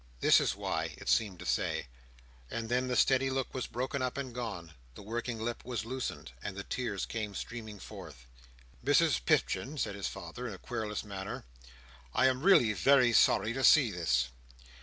"This is why," it seemed to say, and then the steady look was broken up and gone; the working lip was loosened; and the tears came streaming forth. "Mrs Pipchin," said his father, in a querulous manner, "I am really very sorry to see this."